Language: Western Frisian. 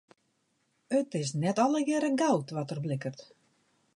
It is net allegearre goud wat der blikkert.